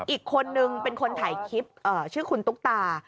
อีกคนนึงเป็นคนถ่ายคลิปชื่อคุณตุ๊กตา